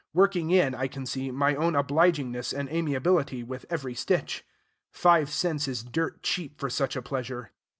Working in, I can see, my own obligingness and amiability with every stitch. Five cents is dirt cheap for such a pleasure.